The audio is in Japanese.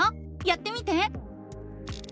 やってみて！